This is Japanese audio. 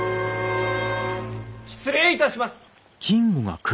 失礼いたします。